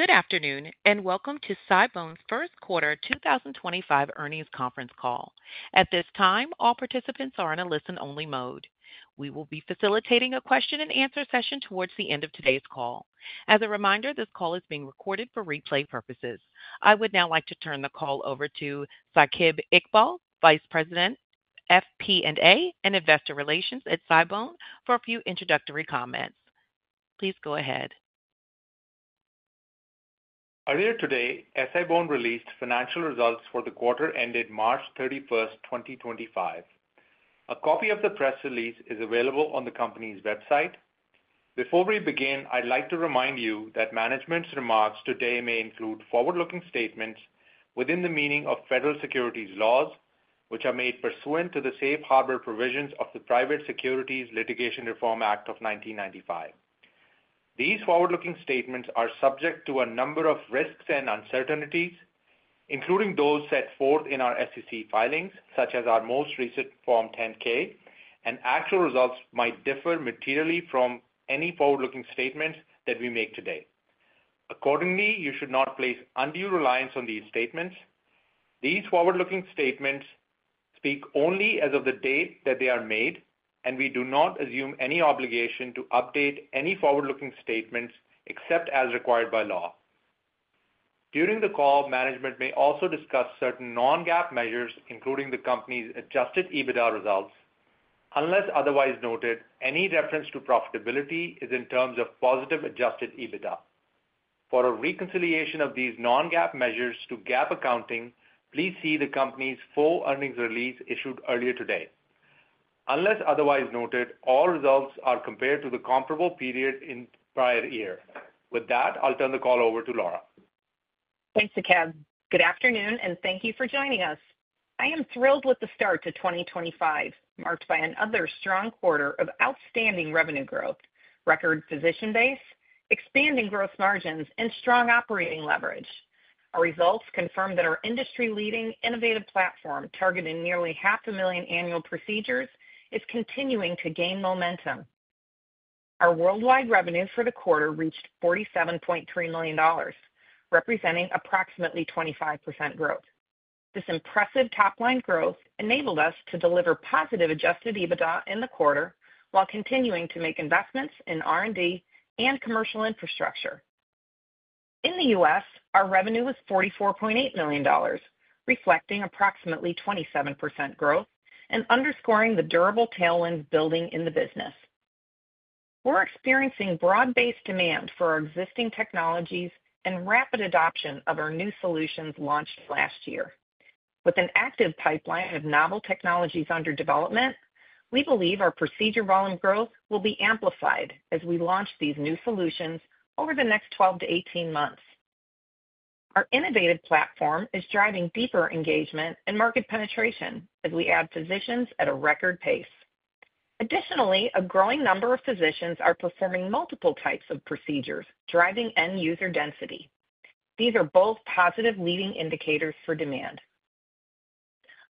Good afternoon and welcome to SI-BONE's First Quarter 2025 Earnings Conference Call. At this time, all participants are in a listen-only mode. We will be facilitating a question-and-answer session towards the end of today's call. As a reminder, this call is being recorded for replay purposes. I would now like to turn the call over to Saqib Iqbal, Vice President, FP&A, and Investor Relations at SI-BONE for a few introductory comments. Please go ahead. Earlier today, SI-BONE released financial results for the quarter ended March 31, 2025. A copy of the press release is available on the company's website. Before we begin, I'd like to remind you that management's remarks today may include forward-looking statements within the meaning of federal securities laws, which are made pursuant to the safe harbor provisions of the Private Securities Litigation Reform Act of 1995. These forward-looking statements are subject to a number of risks and uncertainties, including those set forth in our SEC filings, such as our most recent Form 10-K, and actual results might differ materially from any forward-looking statements that we make today. Accordingly, you should not place undue reliance on these statements. These forward-looking statements speak only as of the date that they are made, and we do not assume any obligation to update any forward-looking statements except as required by law. During the call, management may also discuss certain non-GAAP measures, including the company's Adjusted EBITDA results. Unless otherwise noted, any reference to profitability is in terms of positive Adjusted EBITDA. For a reconciliation of these non-GAAP measures to GAAP accounting, please see the company's full earnings release issued earlier today. Unless otherwise noted, all results are compared to the comparable period in the prior year. With that, I'll turn the call over to Laura. Thanks, Saqib. Good afternoon, and thank you for joining us. I am thrilled with the start to 2025, marked by another strong quarter of outstanding revenue growth, record position base, expanding gross margins, and strong operating leverage. Our results confirm that our industry-leading innovative platform targeting nearly 500,000 annual procedures is continuing to gain momentum. Our worldwide revenue for the quarter reached $47.3 million, representing approximately 25% growth. This impressive top-line growth enabled us to deliver positive Adjusted EBITDA in the quarter while continuing to make investments in R&D and commercial infrastructure. In the U.S., our revenue is $44.8 million, reflecting approximately 27% growth and underscoring the durable tailwinds building in the business. We're experiencing broad-based demand for our existing technologies and rapid adoption of our new solutions launched last year. With an active pipeline of novel technologies under development, we believe our procedure volume growth will be amplified as we launch these new solutions over the next 12 to 18 months. Our innovative platform is driving deeper engagement and market penetration as we add physicians at a record pace. Additionally, a growing number of physicians are performing multiple types of procedures, driving end-user density. These are both positive leading indicators for demand.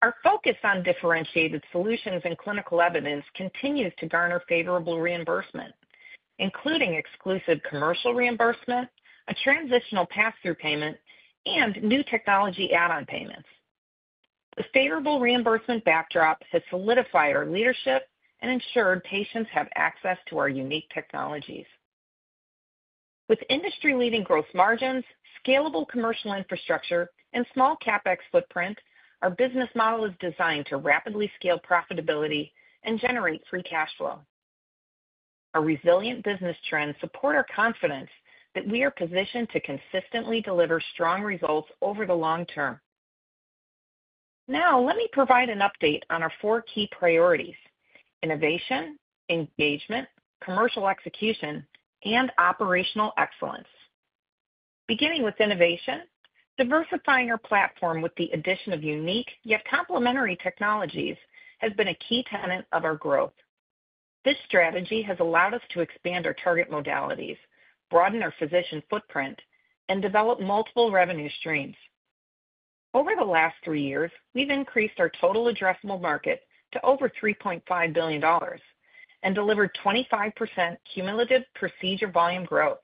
Our focus on differentiated solutions and clinical evidence continues to garner favorable reimbursement, including exclusive commercial reimbursement, a transitional pass-through payment, and new technology add-on payments. The favorable reimbursement backdrop has solidified our leadership and ensured patients have access to our unique technologies. With industry-leading gross margins, scalable commercial infrastructure, and small CapEx footprint, our business model is designed to rapidly scale profitability and generate free cash flow. Our resilient business trends support our confidence that we are positioned to consistently deliver strong results over the long term. Now, let me provide an update on our four key priorities: innovation, engagement, commercial execution, and operational excellence. Beginning with innovation, diversifying our platform with the addition of unique yet complementary technologies has been a key tenet of our growth. This strategy has allowed us to expand our target modalities, broaden our physician footprint, and develop multiple revenue streams. Over the last three years, we've increased our total addressable market to over $3.5 billion and delivered 25% cumulative procedure volume growth.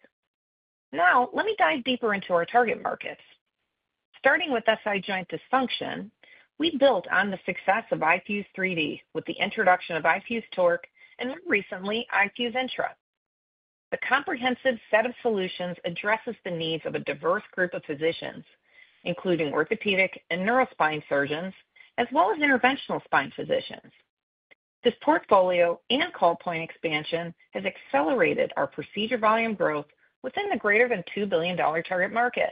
Now, let me dive deeper into our target markets. Starting with SI joint dysfunction, we built on the success of iFuse 3D with the introduction of iFuse TORQ and more recently, iFuse INTRA. The comprehensive set of solutions addresses the needs of a diverse group of physicians, including orthopedic and neurospine surgeons, as well as interventional spine physicians. This portfolio and call point expansion has accelerated our procedure volume growth within the greater than $2 billion target market.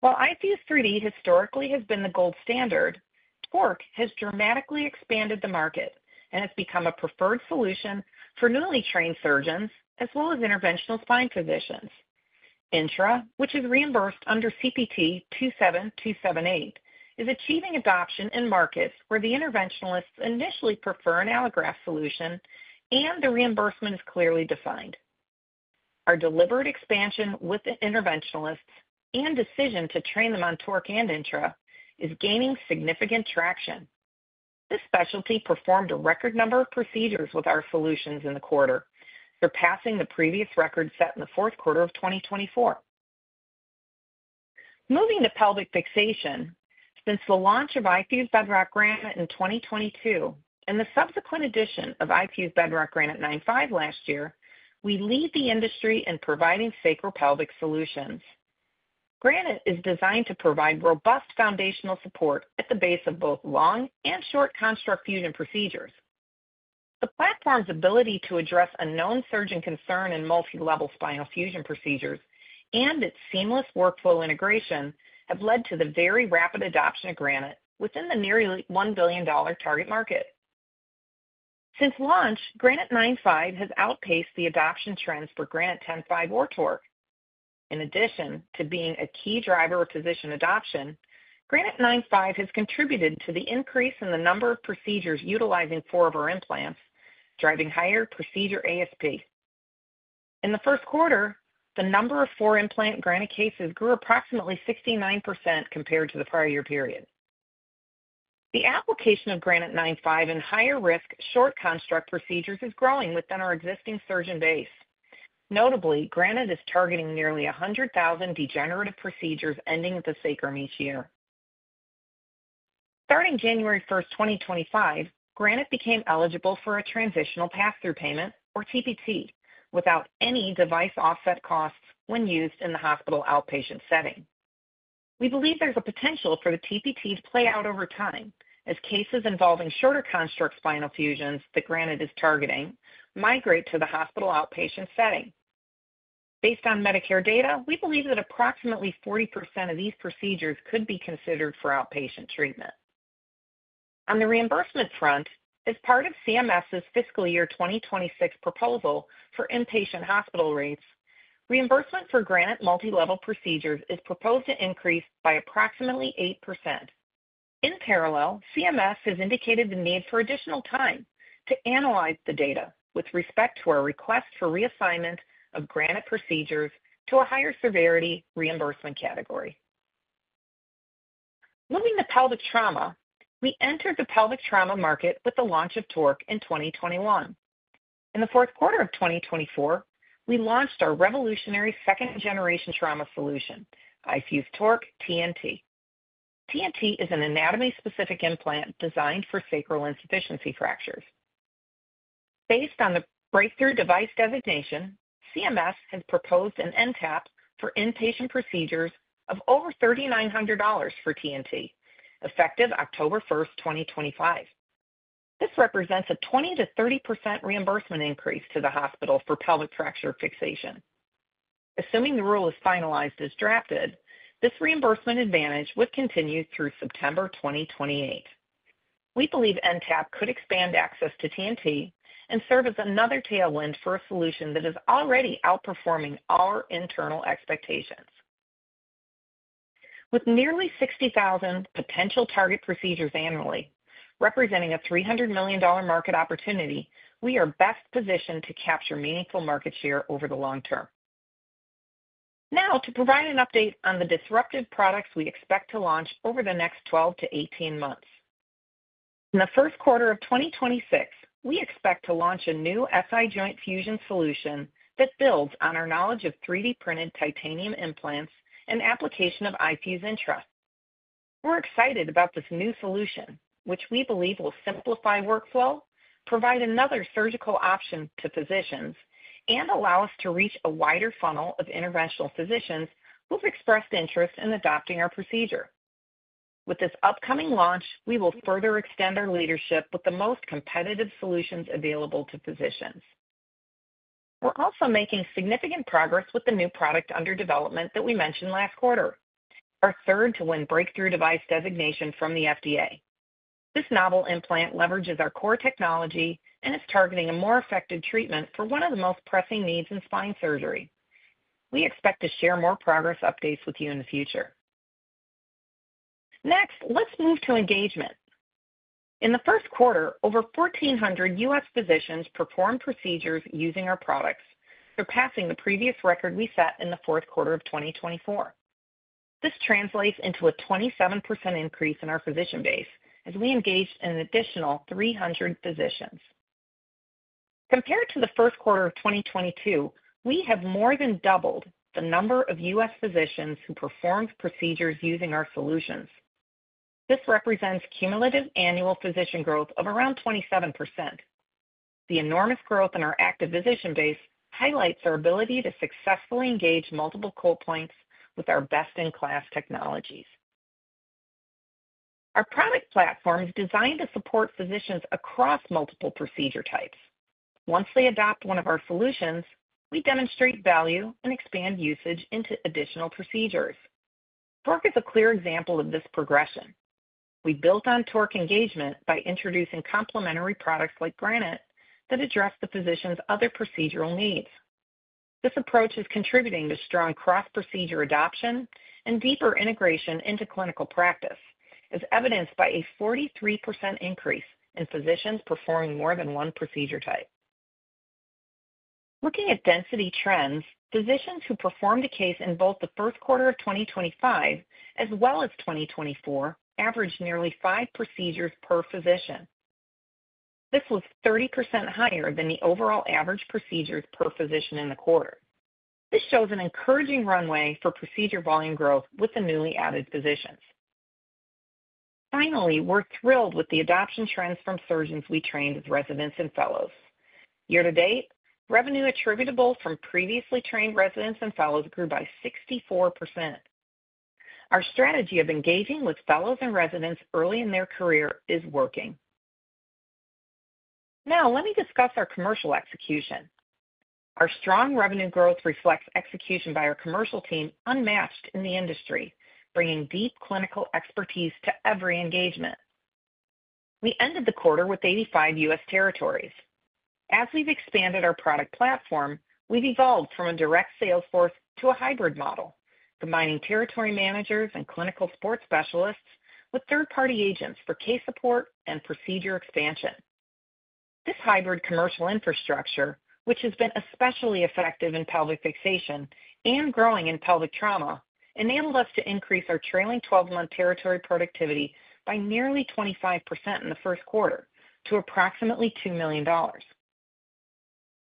While iFuse 3D historically has been the gold standard, TORQ has dramatically expanded the market and has become a preferred solution for newly trained surgeons as well as interventional spine physicians. INTRA, which is reimbursed under CPT 27278, is achieving adoption in markets where the interventionalists initially prefer an allograft solution and the reimbursement is clearly defined. Our deliberate expansion with interventionalists and decision to train them on TORQ and INTRA is gaining significant traction. This specialty performed a record number of procedures with our solutions in the quarter, surpassing the previous record set in the fourth quarter of 2024. Moving to pelvic fixation, since the launch of iFuse Bedrock Granite in 2022 and the subsequent addition of iFuse Bedrock Granite 9.5 last year, we lead the industry in providing sacropelvic solutions. Granite is designed to provide robust foundational support at the base of both long and short construct fusion procedures. The platform's ability to address a known surgeon concern in multilevel spinal fusion procedures and its seamless workflow integration have led to the very rapid adoption of Granite within the nearly $1 billion target market. Since launch, Granite 9.5 has outpaced the adoption trends for Granite 10.5 or TORQ. In addition to being a key driver of physician adoption, Granite 9.5 has contributed to the increase in the number of procedures utilizing four of our implants, driving higher procedure ASP. In the first quarter, the number of four-implant Granite cases grew approximately 69% compared to the prior year period. The application of Granite 9.5 in higher-risk short construct procedures is growing within our existing surgeon base. Notably, Granite is targeting nearly 100,000 degenerative procedures ending at the sacrum each year. Starting January 1st, 2025, Granite became eligible for a transitional pass-through payment, or TPT, without any device offset costs when used in the hospital outpatient setting. We believe there's a potential for the TPT to play out over time as cases involving shorter construct spinal fusions that Granite is targeting migrate to the hospital outpatient setting. Based on Medicare data, we believe that approximately 40% of these procedures could be considered for outpatient treatment. On the reimbursement front, as part of CMS's fiscal year 2026 proposal for inpatient hospital rates, reimbursement for Granite multilevel procedures is proposed to increase by approximately 8%. In parallel, CMS has indicated the need for additional time to analyze the data with respect to our request for reassignment of Granite procedures to a higher severity reimbursement category. Moving to pelvic trauma, we entered the pelvic trauma market with the launch of TORQ in 2021. In the fourth quarter of 2024, we launched our revolutionary second-generation trauma solution, iFuse TORQ TNT. TNT is an anatomy-specific implant designed for sacral insufficiency fractures. Based on the Breakthrough Device Designation, CMS has proposed an NTAP for inpatient procedures of over $3,900 for TNT, effective October 1, 2025. This represents a 20%-30% reimbursement increase to the hospital for pelvic fracture fixation. Assuming the rule is finalized as drafted, this reimbursement advantage would continue through September 2028. We believe NTAP could expand access to TNT and serve as another tailwind for a solution that is already outperforming our internal expectations. With nearly 60,000 potential target procedures annually, representing a $300 million market opportunity, we are best positioned to capture meaningful market share over the long term. Now, to provide an update on the disruptive products we expect to launch over the next 12 to 18 months. In the first quarter of 2026, we expect to launch a new SI joint fusion solution that builds on our knowledge of 3D-printed titanium implants and application of iFuse INTRA. We're excited about this new solution, which we believe will simplify workflow, provide another surgical option to physicians, and allow us to reach a wider funnel of interventional physicians who've expressed interest in adopting our procedure. With this upcoming launch, we will further extend our leadership with the most competitive solutions available to physicians. We're also making significant progress with the new product under development that we mentioned last quarter, our third-to win Breakthrough Device Designation from the FDA. This novel implant leverages our core technology and is targeting a more effective treatment for one of the most pressing needs in spine surgery. We expect to share more progress updates with you in the future. Next, let's move to engagement. In the first quarter, over 1,400 U.S. physicians performed procedures using our products, surpassing the previous record we set in the fourth quarter of 2024. This translates into a 27% increase in our physician base as we engaged an additional 300 physicians. Compared to the first quarter of 2022, we have more than doubled the number of U.S. physicians who performed procedures using our solutions. This represents cumulative annual physician growth of around 27%. The enormous growth in our active physician base highlights our ability to successfully engage multiple call points with our best-in-class technologies. Our product platform is designed to support physicians across multiple procedure types. Once they adopt one of our solutions, we demonstrate value and expand usage into additional procedures. TORQ is a clear example of this progression. We built on TORQ engagement by introducing complementary products like Granite that address the physician's other procedural needs. This approach is contributing to strong cross-procedure adoption and deeper integration into clinical practice, as evidenced by a 43% increase in physicians performing more than one procedure type. Looking at density trends, physicians who performed a case in both the first quarter of 2025 as well as 2024 averaged nearly five procedures per physician. This was 30% higher than the overall average procedures per physician in the quarter. This shows an encouraging runway for procedure volume growth with the newly added physicians. Finally, we're thrilled with the adoption trends from surgeons we trained as residents and fellows. Year-to-date, revenue attributable from previously trained residents and fellows grew by 64%. Our strategy of engaging with fellows and residents early in their career is working. Now, let me discuss our commercial execution. Our strong revenue growth reflects execution by our commercial team unmatched in the industry, bringing deep clinical expertise to every engagement. We ended the quarter with 85 U.S. territories. As we've expanded our product platform, we've evolved from a direct sales force to a hybrid model, combining territory managers and clinical support specialists with third-party agents for case support and procedure expansion. This hybrid commercial infrastructure, which has been especially effective in pelvic fixation and growing in pelvic trauma, enabled us to increase our trailing 12-month territory productivity by nearly 25% in the first quarter to approximately $2 million.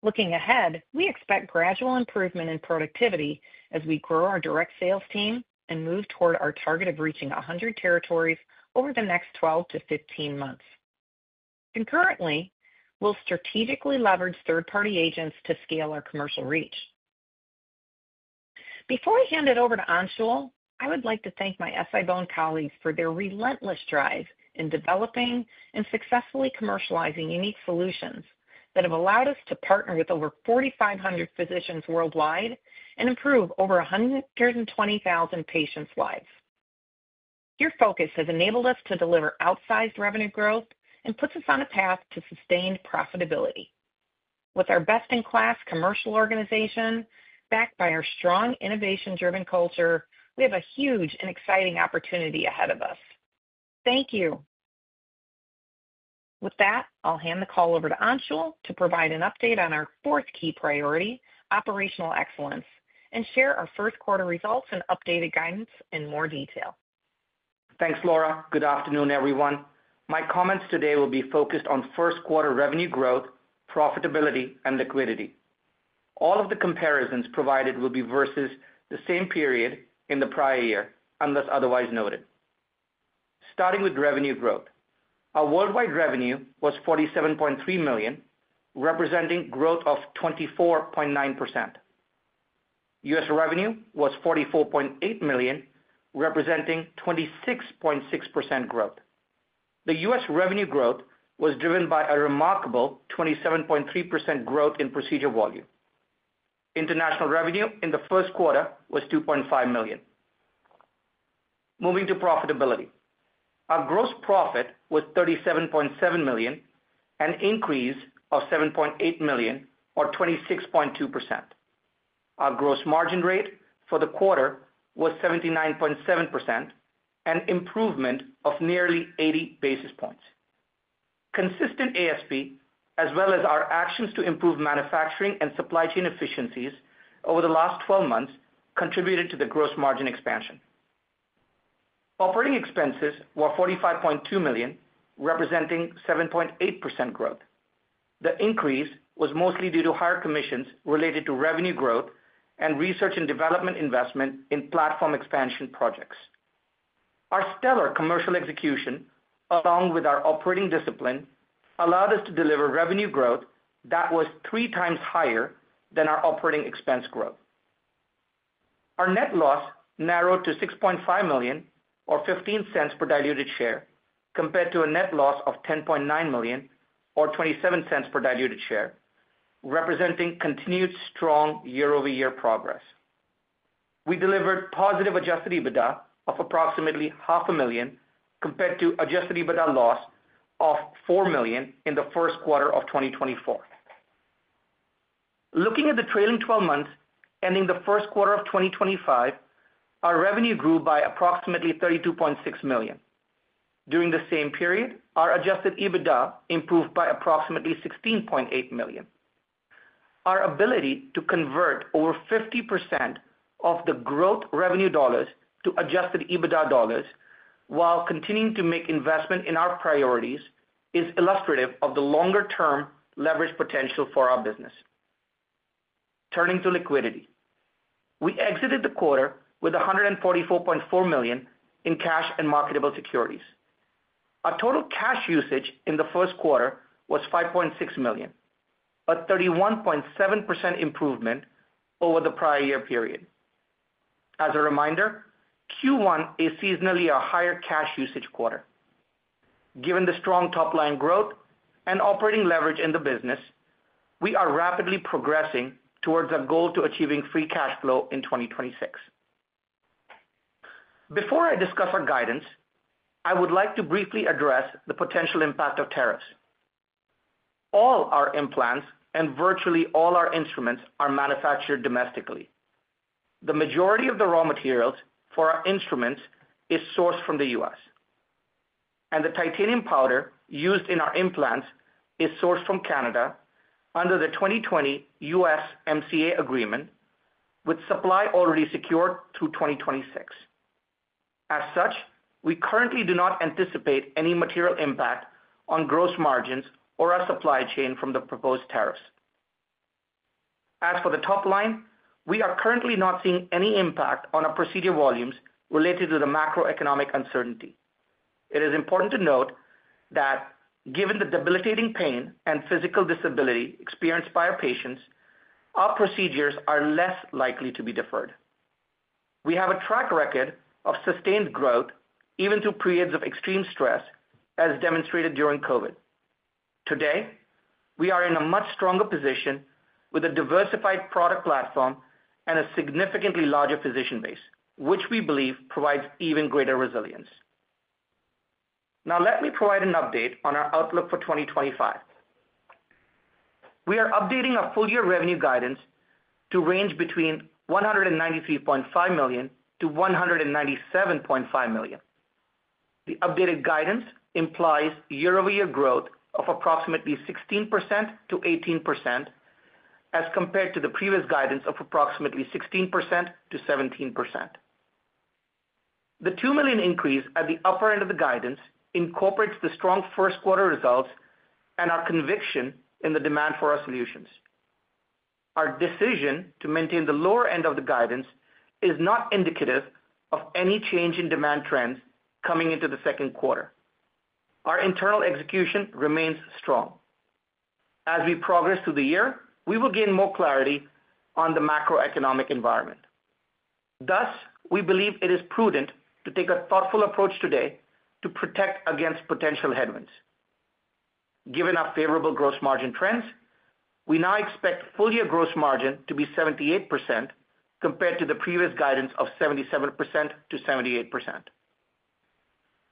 Looking ahead, we expect gradual improvement in productivity as we grow our direct sales team and move toward our target of reaching 100 territories over the next 12 to 15 months. Concurrently, we'll strategically leverage third-party agents to scale our commercial reach. Before I hand it over to Anshul, I would like to thank my SI-BONE colleagues for their relentless drive in developing and successfully commercializing unique solutions that have allowed us to partner with over 4,500 physicians worldwide and improve over 120,000 patients' lives. Your focus has enabled us to deliver outsized revenue growth and puts us on a path to sustained profitability. With our best-in-class commercial organization, backed by our strong innovation-driven culture, we have a huge and exciting opportunity ahead of us. Thank you. With that, I'll hand the call over to Anshul to provide an update on our fourth key priority, operational excellence, and share our first quarter results and updated guidance in more detail. Thanks, Laura. Good afternoon, everyone. My comments today will be focused on first quarter revenue growth, profitability, and liquidity. All of the comparisons provided will be versus the same period in the prior year, unless otherwise noted. Starting with revenue growth, our worldwide revenue was $47.3 million, representing growth of 24.9%. U.S. revenue was $44.8 million, representing 26.6% growth. The U.S. revenue growth was driven by a remarkable 27.3% growth in procedure volume. International revenue in the first quarter was $2.5 million. Moving to profitability, our gross profit was $37.7 million, an increase of $7.8 million, or 26.2%. Our gross margin rate for the quarter was 79.7%, an improvement of nearly 80 basis points. Consistent ASP, as well as our actions to improve manufacturing and supply chain efficiencies over the last 12 months, contributed to the gross margin expansion. Operating expenses were $45.2 million, representing 7.8% growth. The increase was mostly due to higher commissions related to revenue growth and research and development investment in platform expansion projects. Our stellar commercial execution, along with our operating discipline, allowed us to deliver revenue growth that was three times higher than our operating expense growth. Our net loss narrowed to $6.5 million, or $0.15 per diluted share, compared to a net loss of $10.9 million, or $0.27 per diluted share, representing continued strong year-over-year progress. We delivered positive Adjusted EBITDA of approximately $500,000 compared to Adjusted EBITDA loss of $4 million in the first quarter of 2024. Looking at the trailing 12 months ending the first quarter of 2025, our revenue grew by approximately $32.6 million. During the same period, our Adjusted EBITDA improved by approximately $16.8 million. Our ability to convert over 50% of the growth revenue dollars to Adjusted EBITDA dollars while continuing to make investment in our priorities is illustrative of the longer-term leverage potential for our business. Turning to liquidity, we exited the quarter with $144.4 million in cash and marketable securities. Our total cash usage in the first quarter was $5.6 million, a 31.7% improvement over the prior year period. As a reminder, Q1 is seasonally a higher cash usage quarter. Given the strong top-line growth and operating leverage in the business, we are rapidly progressing towards our goal to achieving free cash flow in 2026. Before I discuss our guidance, I would like to briefly address the potential impact of tariffs. All our implants and virtually all our instruments are manufactured domestically. The majority of the raw materials for our instruments is sourced from the U.S., and the titanium powder used in our implants is sourced from Canada under the 2020 USMCA agreement, with supply already secured through 2026. As such, we currently do not anticipate any material impact on gross margins or our supply chain from the proposed tariffs. As for the top line, we are currently not seeing any impact on our procedure volumes related to the macroeconomic uncertainty. It is important to note that given the debilitating pain and physical disability experienced by our patients, our procedures are less likely to be deferred. We have a track record of sustained growth even through periods of extreme stress, as demonstrated during COVID. Today, we are in a much stronger position with a diversified product platform and a significantly larger physician base, which we believe provides even greater resilience. Now, let me provide an update on our outlook for 2025. We are updating our full-year revenue guidance to range between $193.5 million-$197.5 million. The updated guidance implies year-over-year growth of approximately 16%-18%, as compared to the previous guidance of approximately 16%-17%. The $2 million increase at the upper end of the guidance incorporates the strong first quarter results and our conviction in the demand for our solutions. Our decision to maintain the lower end of the guidance is not indicative of any change in demand trends coming into the second quarter. Our internal execution remains strong. As we progress through the year, we will gain more clarity on the macroeconomic environment. Thus, we believe it is prudent to take a thoughtful approach today to protect against potential headwinds. Given our favorable gross margin trends, we now expect full-year gross margin to be 78% compared to the previous guidance of 77%-78%.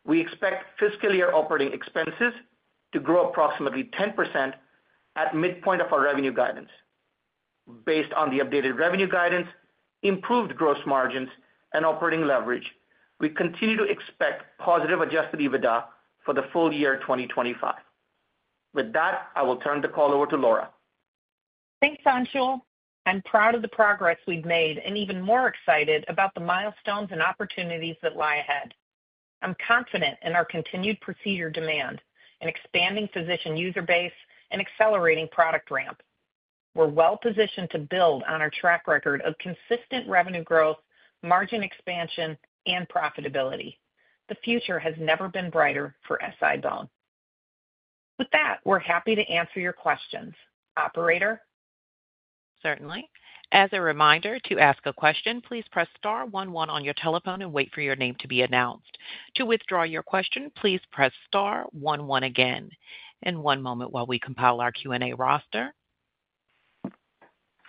We expect fiscal year operating expenses to grow approximately 10% at midpoint of our revenue guidance. Based on the updated revenue guidance, improved gross margins, and operating leverage, we continue to expect positive Adjusted EBITDA for the full year 2025. With that, I will turn the call over to Laura. Thanks, Anshul. I'm proud of the progress we've made and even more excited about the milestones and opportunities that lie ahead. I'm confident in our continued procedure demand, an expanding physician user base, and accelerating product ramp. We're well-positioned to build on our track record of consistent revenue growth, margin expansion, and profitability. The future has never been brighter for SI-BONE. With that, we're happy to answer your questions. Operator? Certainly. As a reminder, to ask a question, please press star 11 on your telephone and wait for your name to be announced. To withdraw your question, please press star 11 again. One moment while we compile our Q&A roster.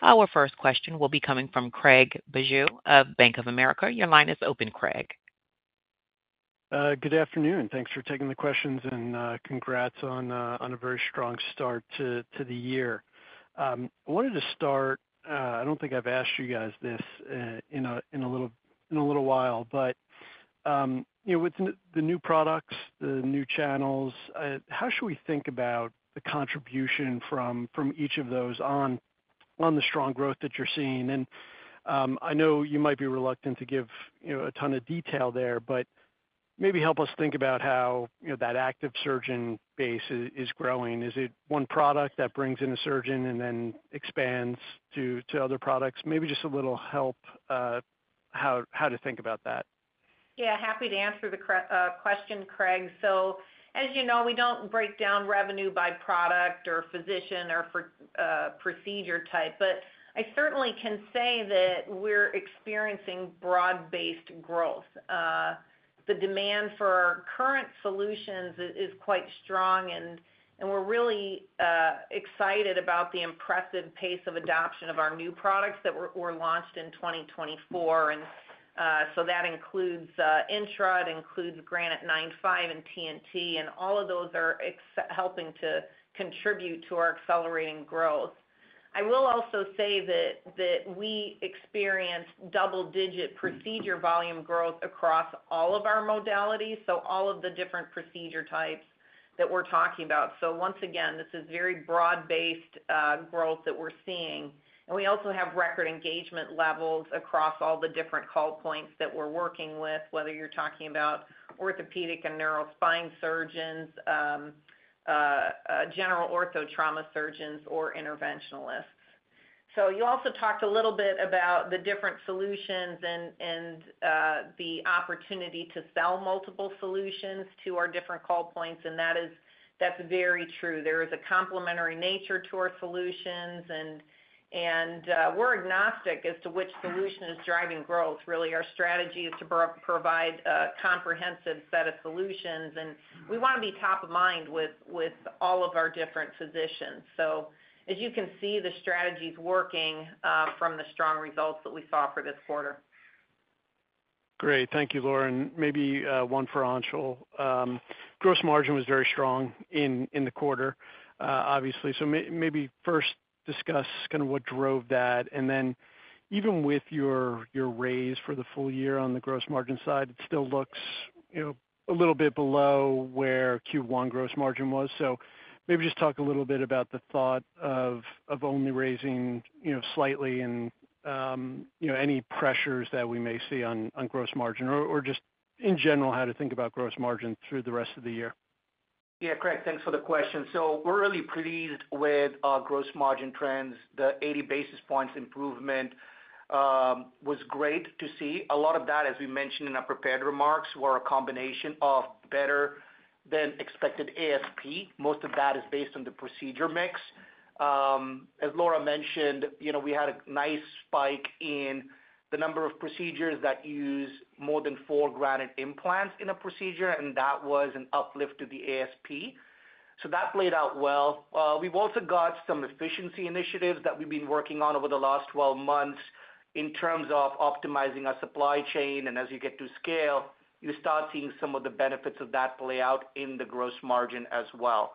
Our first question will be coming from Craig Bijou of Bank of America. Your line is open, Craig. Good afternoon. Thanks for taking the questions and congrats on a very strong start to the year. I wanted to start—I don't think I've asked you guys this in a little while—but with the new products, the new channels, how should we think about the contribution from each of those on the strong growth that you're seeing? I know you might be reluctant to give a ton of detail there, but maybe help us think about how that active surgeon base is growing. Is it one product that brings in a surgeon and then expands to other products? Maybe just a little help how to think about that. Yeah, happy to answer the question, Craig. As you know, we don't break down revenue by product or physician or procedure type, but I certainly can say that we're experiencing broad-based growth. The demand for current solutions is quite strong, and we're really excited about the impressive pace of adoption of our new products that were launched in 2024. That includes INTRA and includes Granite 9.5 and TNT, and all of those are helping to contribute to our accelerating growth. I will also say that we experience double-digit procedure volume growth across all of our modalities, so all of the different procedure types that we're talking about. Once again, this is very broad-based growth that we're seeing. We also have record engagement levels across all the different call points that we're working with, whether you're talking about orthopedic and neurospine surgeons, general ortho trauma surgeons, or interventionalists. You also talked a little bit about the different solutions and the opportunity to sell multiple solutions to our different call points, and that's very true. There is a complementary nature to our solutions, and we're agnostic as to which solution is driving growth. Really, our strategy is to provide a comprehensive set of solutions, and we want to be top of mind with all of our different physicians. As you can see, the strategy is working from the strong results that we saw for this quarter. Great. Thank you, Laura. Maybe one for Anshul. Gross margin was very strong in the quarter, obviously. Maybe first discuss kind of what drove that. Even with your raise for the full year on the gross margin side, it still looks a little bit below where Q1 gross margin was. Maybe just talk a little bit about the thought of only raising slightly and any pressures that we may see on gross margin or just in general how to think about gross margin through the rest of the year. Yeah, Craig, thanks for the question. We are really pleased with our gross margin trends. The 80 basis points improvement was great to see. A lot of that, as we mentioned in our prepared remarks, was a combination of better than expected ASP. Most of that is based on the procedure mix. As Laura mentioned, we had a nice spike in the number of procedures that use more than four Granite implants in a procedure, and that was an uplift to the ASP. That played out well. We've also got some efficiency initiatives that we've been working on over the last 12 months in terms of optimizing our supply chain. As you get to scale, you start seeing some of the benefits of that play out in the gross margin as well.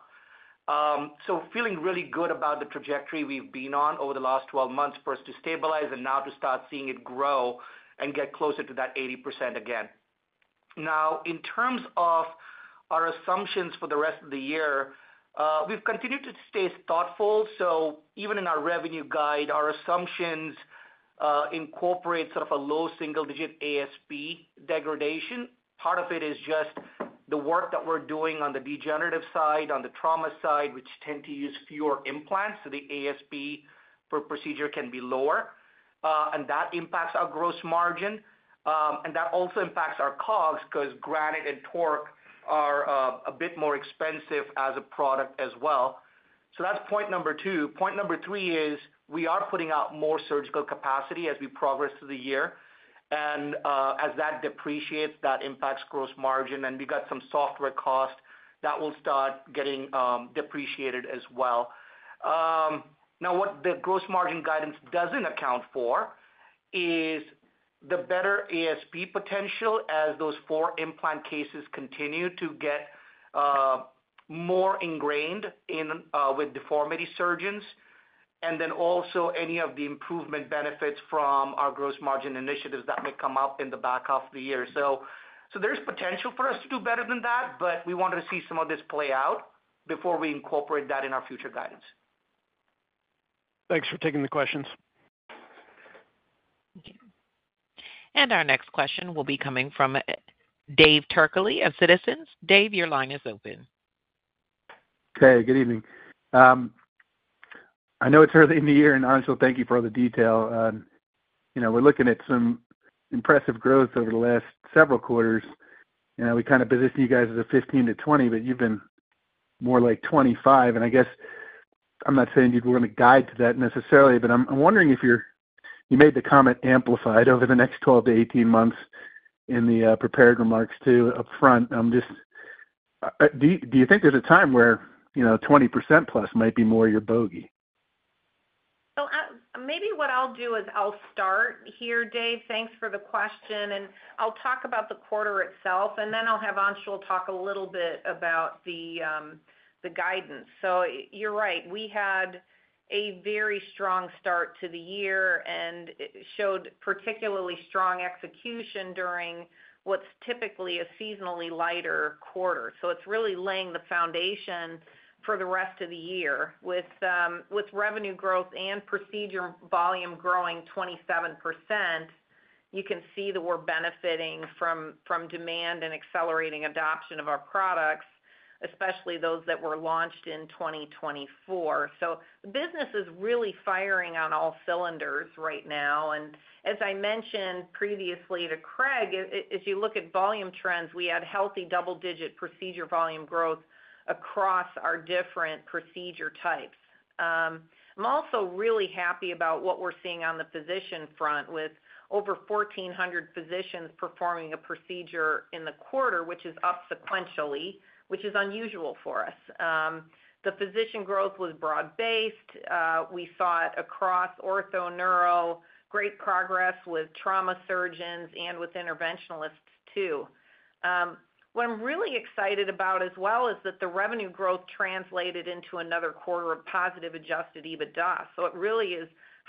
Feeling really good about the trajectory we've been on over the last 12 months for us to stabilize and now to start seeing it grow and get closer to that 80% again. In terms of our assumptions for the rest of the year, we've continued to stay thoughtful. Even in our revenue guide, our assumptions incorporate sort of a low single-digit ASP degradation. Part of it is just the work that we're doing on the degenerative side, on the trauma side, which tend to use fewer implants. The ASP per procedure can be lower, and that impacts our gross margin. That also impacts our COGS because Granite and TORQ are a bit more expensive as a product as well. That's point number two. Point number three is we are putting out more surgical capacity as we progress through the year. As that depreciates, that impacts gross margin, and we got some software costs that will start getting depreciated as well. Now, what the gross margin guidance doesn't account for is the better ASP potential as those four implant cases continue to get more ingrained with deformity surgeons and then also any of the improvement benefits from our gross margin initiatives that may come up in the back half of the year. There's potential for us to do better than that, but we want to see some of this play out before we incorporate that in our future guidance. Thanks for taking the questions. Thank you. Our next question will be coming from Dave Turkaly of Citizens. Dave, your line is open. Okay. Good evening. I know it's early in the year, and Anshul, thank you for all the detail. We're looking at some impressive growth over the last several quarters. We kind of positioned you guys as a 15%-20%, but you've been more like 25%. I guess I'm not saying you're going to guide to that necessarily, but I'm wondering if you made the comment amplified over the next 12-18 months in the prepared remarks to upfront. Do you think there's a time where 20% plus might be more your bogey? Maybe what I'll do is I'll start here, Dave. Thanks for the question. I'll talk about the quarter itself, and then I'll have Anshul talk a little bit about the guidance. You're right. We had a very strong start to the year and showed particularly strong execution during what is typically a seasonally lighter quarter. It is really laying the foundation for the rest of the year. With revenue growth and procedure volume growing 27%, you can see that we are benefiting from demand and accelerating adoption of our products, especially those that were launched in 2024. The business is really firing on all cylinders right now. As I mentioned previously to Craig, as you look at volume trends, we had healthy double-digit procedure volume growth across our different procedure types. I am also really happy about what we are seeing on the physician front with over 1,400 physicians performing a procedure in the quarter, which is up sequentially, which is unusual for us. The physician growth was broad-based. We saw it across ortho neuro, great progress with trauma surgeons and with interventionalists too. What I'm really excited about as well is that the revenue growth translated into another quarter of positive Adjusted EBITDA. It really is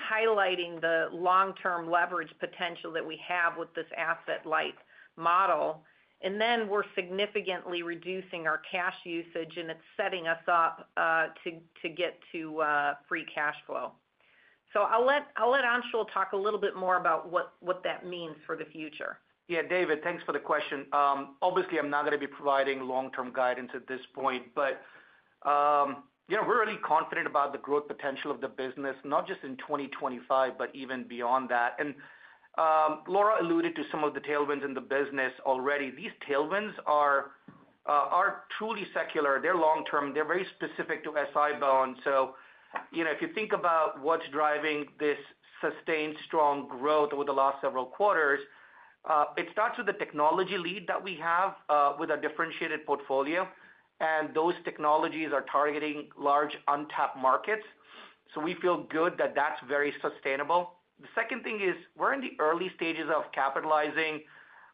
highlighting the long-term leverage potential that we have with this asset-light model. We are significantly reducing our cash usage, and it's setting us up to get to free cash flow. I'll let Anshul talk a little bit more about what that means for the future. Yeah, David, thanks for the question. Obviously, I'm not going to be providing long-term guidance at this point, but we're really confident about the growth potential of the business, not just in 2025, but even beyond that. Laura alluded to some of the tailwinds in the business already. These tailwinds are truly secular. They're long-term. They're very specific to SI-BONE. If you think about what's driving this sustained strong growth over the last several quarters, it starts with the technology lead that we have with our differentiated portfolio, and those technologies are targeting large untapped markets. We feel good that that's very sustainable. The second thing is we're in the early stages of capitalizing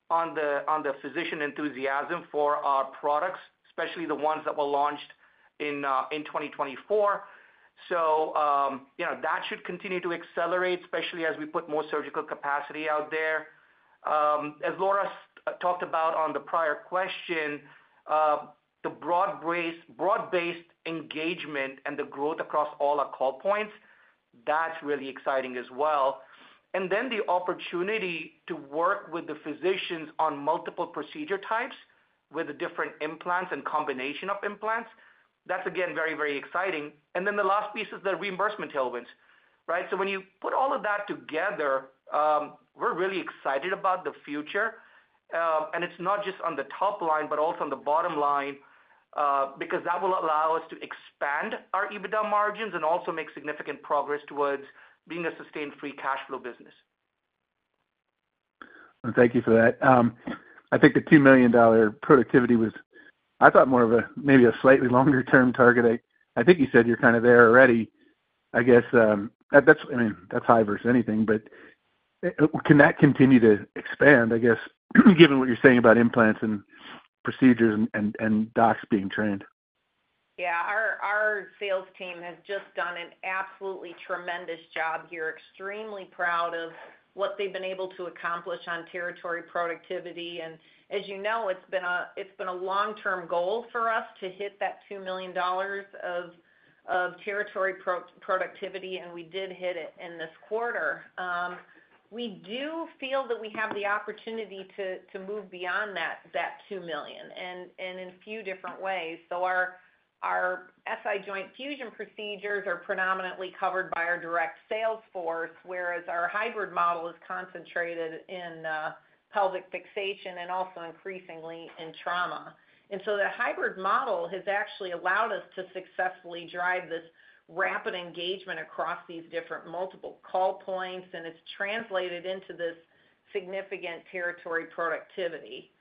on the physician enthusiasm for our products, especially the ones that were launched in 2024. That should continue to accelerate, especially as we put more surgical capacity out there. As Laura talked about on the prior question, the broad-based engagement and the growth across all our call points, that's really exciting as well. The opportunity to work with the physicians on multiple procedure types with different implants and combination of implants, that's again very, very exciting. The last piece is the reimbursement tailwinds, right? When you put all of that together, we're really excited about the future. It's not just on the top line, but also on the bottom line because that will allow us to expand our EBITDA margins and also make significant progress towards being a sustained free cash flow business. Thank you for that. I think the $2 million productivity was, I thought, more of a maybe a slightly longer-term target. I think you said you're kind of there already. I guess, I mean, that's high versus anything, but can that continue to expand, I guess, given what you're saying about implants and procedures and docs being trained? Yeah. Our sales team has just done an absolutely tremendous job here. Extremely proud of what they've been able to accomplish on territory productivity. As you know, it's been a long-term goal for us to hit that $2 million of territory productivity, and we did hit it in this quarter. We do feel that we have the opportunity to move beyond that $2 million and in a few different ways. Our SI joint fusion procedures are predominantly covered by our direct sales force, whereas our hybrid model is concentrated in pelvic fixation and also increasingly in trauma. The hybrid model has actually allowed us to successfully drive this rapid engagement across these different multiple call points, and it's translated into this significant territory productivity.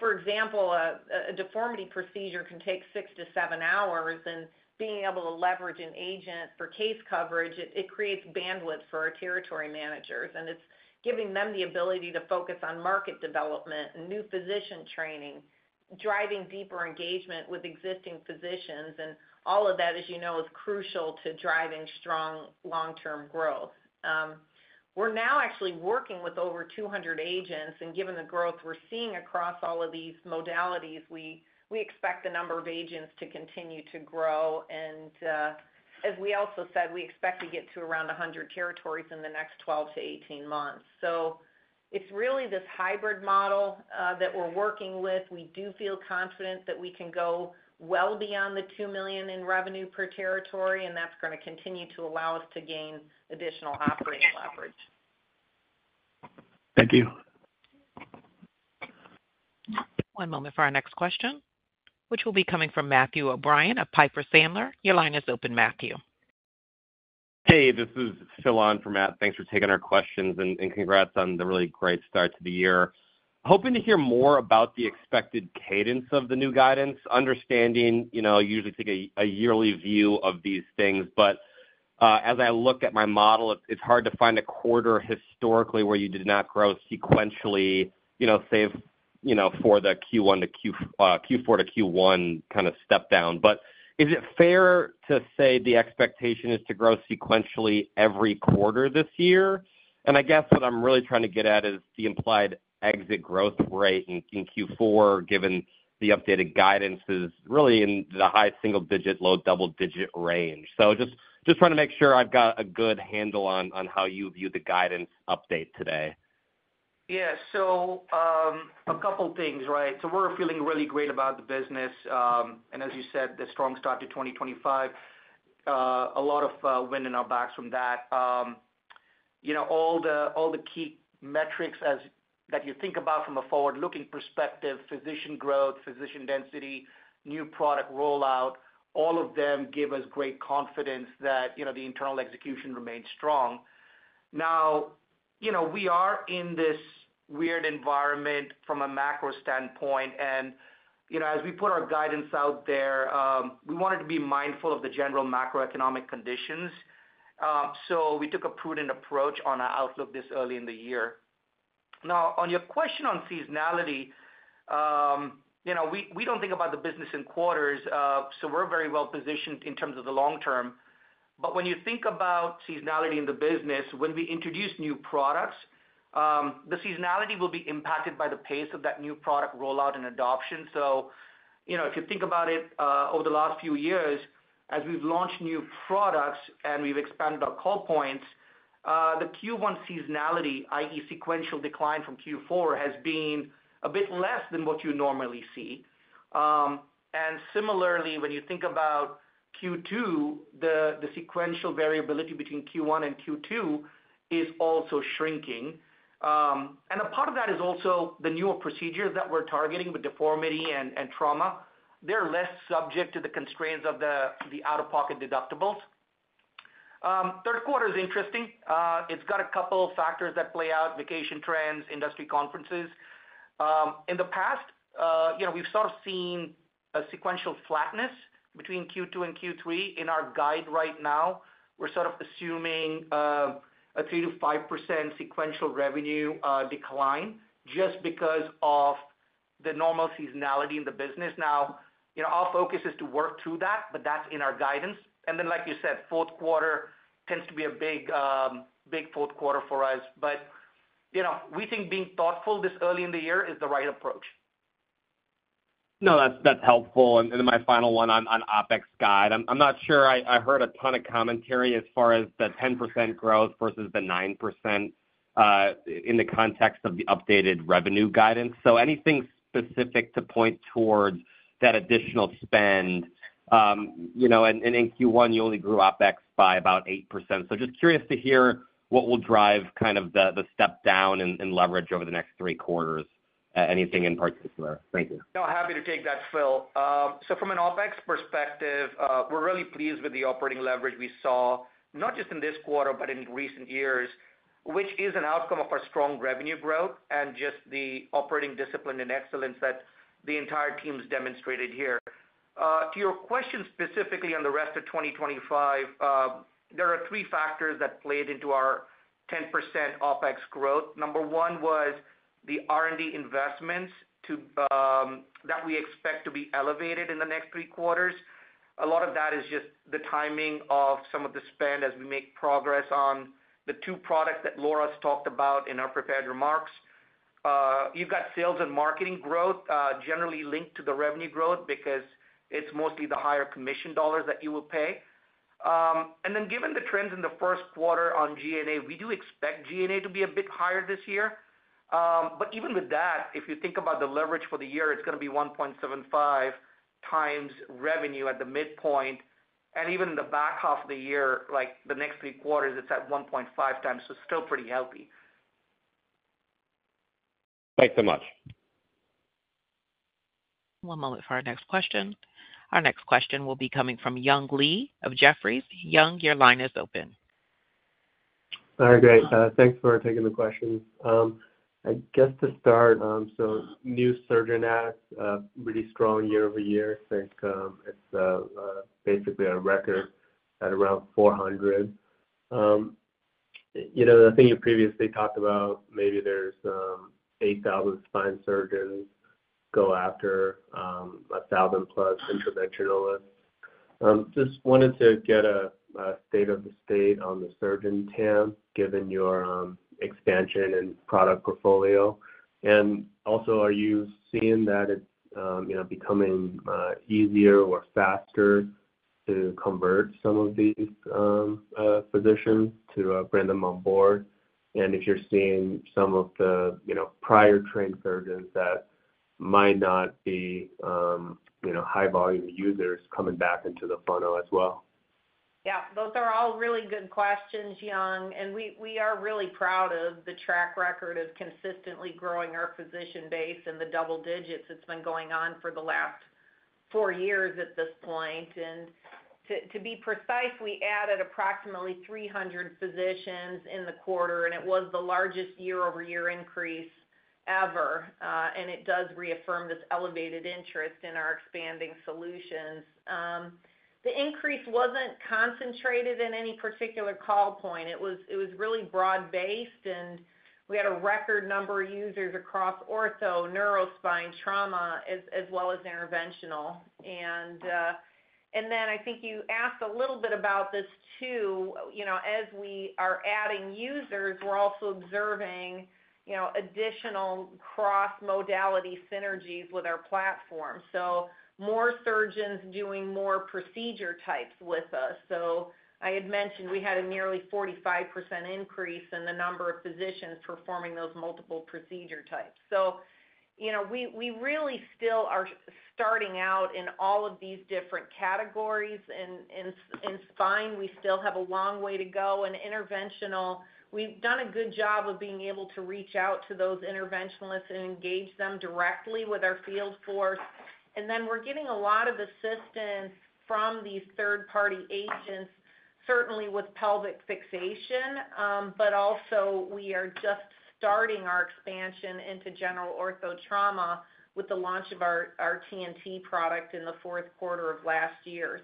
For example, a deformity procedure can take six to seven hours, and being able to leverage an agent for case coverage creates bandwidth for our territory managers. It is giving them the ability to focus on market development and new physician training, driving deeper engagement with existing physicians. All of that, as you know, is crucial to driving strong long-term growth. We are now actually working with over 200 agents, and given the growth we are seeing across all of these modalities, we expect the number of agents to continue to grow. As we also said, we expect to get to around 100 territories in the next 12 to 18 months. It is really this hybrid model that we are working with. We do feel confident that we can go well beyond the $2 million in revenue per territory, and that is going to continue to allow us to gain additional operating leverage. Thank you. One moment for our next question, which will be coming from Matthew O'Brien of Piper Sandler. Your line is open, Matthew. Hey, this is Phil on for Matt. Thanks for taking our questions, and congrats on the really great start to the year. Hoping to hear more about the expected cadence of the new guidance. Understanding I usually take a yearly view of these things, but as I look at my model, it's hard to find a quarter historically where you did not grow sequentially for the Q4 to Q1 kind of step down. Is it fair to say the expectation is to grow sequentially every quarter this year? I guess what I'm really trying to get at is the implied exit growth rate in Q4, given the updated guidance is really in the high single-digit, low double-digit range. Just trying to make sure I've got a good handle on how you view the guidance update today. Yeah. A couple of things, right? We're feeling really great about the business. As you said, the strong start to 2025, a lot of wind in our backs from that. All the key metrics that you think about from a forward-looking perspective: physician growth, physician density, new product rollout, all of them give us great confidence that the internal execution remains strong. Now, we are in this weird environment from a macro standpoint, and as we put our guidance out there, we wanted to be mindful of the general macroeconomic conditions. We took a prudent approach on our outlook this early in the year. On your question on seasonality, we do not think about the business in quarters, so we're very well positioned in terms of the long term. When you think about seasonality in the business, when we introduce new products, the seasonality will be impacted by the pace of that new product rollout and adoption. If you think about it, over the last few years, as we've launched new products and we've expanded our call points, the Q1 seasonality, i.e., sequential decline from Q4, has been a bit less than what you normally see. Similarly, when you think about Q2, the sequential variability between Q1 and Q2 is also shrinking. A part of that is also the newer procedures that we're targeting with deformity and trauma. They're less subject to the constraints of the out-of-pocket deductibles. Third quarter is interesting. It's got a couple of factors that play out: vacation trends, industry conferences. In the past, we've sort of seen a sequential flatness between Q2 and Q3. In our guide right now, we're sort of assuming a 3%-5% sequential revenue decline just because of the normal seasonality in the business. Now, our focus is to work through that, but that's in our guidance. Like you said, fourth quarter tends to be a big fourth quarter for us. We think being thoughtful this early in the year is the right approach. No, that's helpful. My final one on OpEx guide. I'm not sure. I heard a ton of commentary as far as the 10% growth versus the 9% in the context of the updated revenue guidance. Anything specific to point towards that additional spend? In Q1, you only grew OpEx by about 8%. Just curious to hear what will drive kind of the step down and leverage over the next three quarters, anything in particular. Thank you. No, happy to take that, Phil. From an OpEx perspective, we're really pleased with the operating leverage we saw, not just in this quarter, but in recent years, which is an outcome of our strong revenue growth and just the operating discipline and excellence that the entire team has demonstrated here. To your question specifically on the rest of 2025, there are three factors that played into our 10% OpEx growth. Number one was the R&D investments that we expect to be elevated in the next three quarters. A lot of that is just the timing of some of the spend as we make progress on the two products that Laura's talked about in her prepared remarks. You've got sales and marketing growth generally linked to the revenue growth because it's mostly the higher commission dollars that you will pay. Given the trends in the first quarter on G&A, we do expect G&A to be a bit higher this year. Even with that, if you think about the leverage for the year, it's going to be 1.75 times revenue at the midpoint. Even in the back half of the year, like the next three quarters, it's at 1.5 times, so still pretty healthy. Thanks so much. One moment for our next question. Our next question will be coming from Young Li of Jefferies. Young, your line is open. All right, great. Thanks for taking the questions. I guess to start, new surgeon ads, really strong year over year. I think it's basically a record at around 400. The thing you previously talked about, maybe there's 8,000 spine surgeons go after 1,000 plus interventionalists. Just wanted to get a state of the state on the surgeon TAM, given your expansion and product portfolio. Also, are you seeing that it's becoming easier or faster to convert some of these physicians to bring them on board? If you're seeing some of the prior trained surgeons that might not be high-volume users coming back into the funnel as well? Yeah. Those are all really good questions, Young. We are really proud of the track record of consistently growing our physician base in the double digits. It's been going on for the last four years at this point. To be precise, we added approximately 300 physicians in the quarter, and it was the largest year-over-year increase ever. It does reaffirm this elevated interest in our expanding solutions. The increase wasn't concentrated in any particular call point. It was really broad-based, and we had a record number of users across ortho, neurospine, trauma, as well as interventional. I think you asked a little bit about this too. As we are adding users, we're also observing additional cross-modality synergies with our platform. More surgeons are doing more procedure types with us. I had mentioned we had a nearly 45% increase in the number of physicians performing those multiple procedure types. We really still are starting out in all of these different categories. In spine, we still have a long way to go. In interventional, we've done a good job of being able to reach out to those interventionalists and engage them directly with our field force. We are getting a lot of assistance from these third-party agents, certainly with pelvic fixation, but also we are just starting our expansion into general ortho trauma with the launch of our TNT product in the fourth quarter of last year.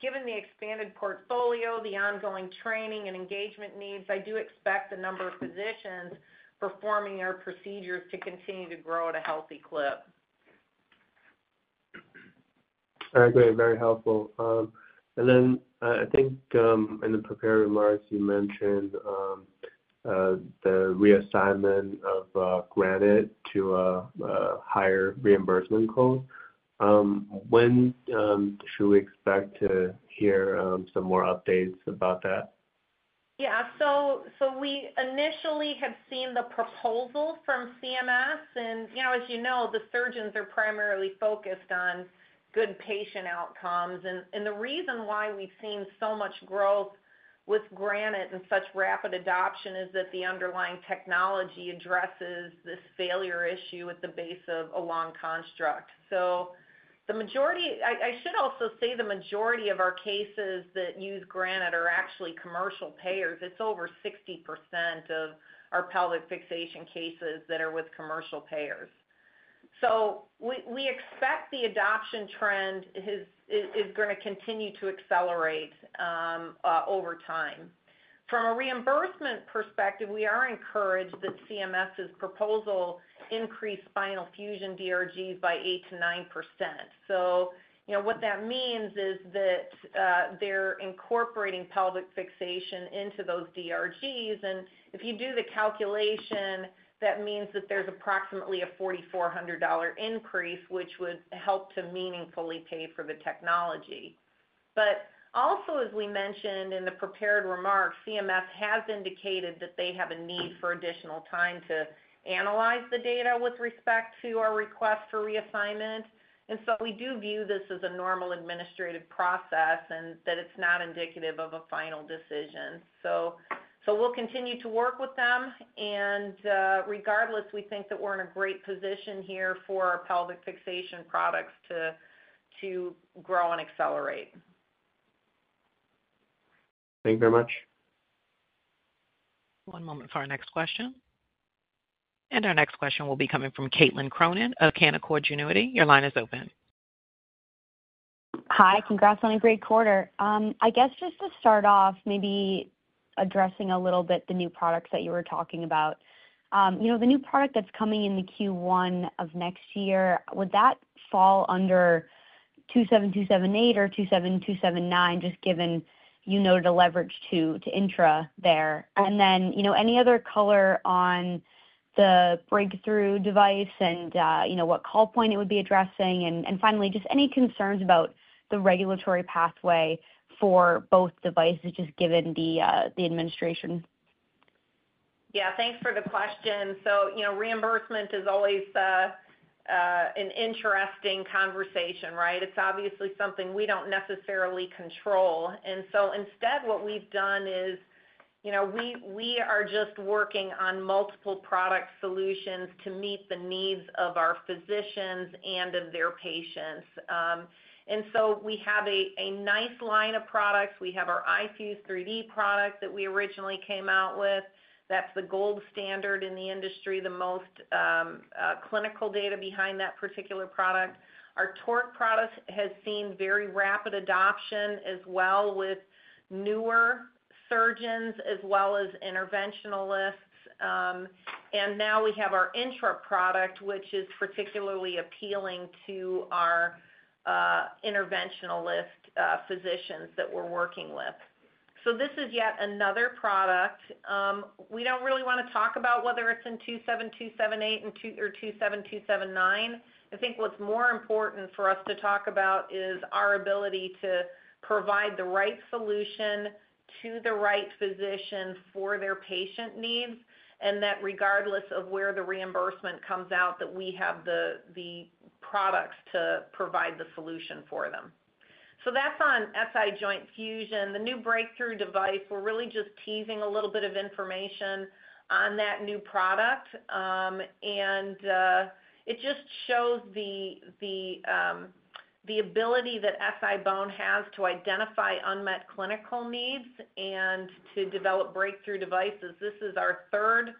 Given the expanded portfolio, the ongoing training and engagement needs, I do expect the number of physicians performing our procedures to continue to grow at a healthy clip. All right. Very helpful. I think in the prepared remarks, you mentioned the reassignment of Granite to a higher reimbursement code. When should we expect to hear some more updates about that? Yeah. We initially have seen the proposal from CMS. As you know, the surgeons are primarily focused on good patient outcomes. The reason why we've seen so much growth with Granite and such rapid adoption is that the underlying technology addresses this failure issue at the base of a long construct. I should also say the majority of our cases that use Granite are actually commercial payers. It's over 60% of our pelvic fixation cases that are with commercial payers. We expect the adoption trend is going to continue to accelerate over time. From a reimbursement perspective, we are encouraged that CMS's proposal increased spinal fusion DRGs by 8-9%. What that means is that they're incorporating pelvic fixation into those DRGs. If you do the calculation, that means that there's approximately a $4,400 increase, which would help to meaningfully pay for the technology. As we mentioned in the prepared remarks, CMS has indicated that they have a need for additional time to analyze the data with respect to our request for reassignment. We do view this as a normal administrative process and that it's not indicative of a final decision. We'll continue to work with them. Regardless, we think that we're in a great position here for our pelvic fixation products to grow and accelerate. Thank you very much. One moment for our next question. Our next question will be coming from Caitlin Cronin of Canaccord Genuity. Your line is open. Hi. Congrats on a great quarter. I guess just to start off, maybe addressing a little bit the new products that you were talking about. The new product that's coming in the Q1 of next year, would that fall under 27278 or 27279, just given you noted a leverage to INTRA there? Any other color on the breakthrough device and what call point it would be addressing? Finally, just any concerns about the regulatory pathway for both devices, just given the administration? Yeah. Thanks for the question. Reimbursement is always an interesting conversation, right? It's obviously something we don't necessarily control. Instead, what we've done is we are just working on multiple product solutions to meet the needs of our physicians and of their patients. We have a nice line of products. We have our iFuse 3D product that we originally came out with. That's the gold standard in the industry, the most clinical data behind that particular product. Our TORQ product has seen very rapid adoption as well with newer surgeons as well as interventionalists. Now we have our INTRA product, which is particularly appealing to our interventionalist physicians that we're working with. This is yet another product. We don't really want to talk about whether it's in 27278 or 27279. I think what's more important for us to talk about is our ability to provide the right solution to the right physician for their patient needs, and that regardless of where the reimbursement comes out, we have the products to provide the solution for them. That's on SI joint fusion. The new breakthrough device, we're really just teasing a little bit of information on that new product. It just shows the ability that SI-BONE has to identify unmet clinical needs and to develop breakthrough devices. This is our third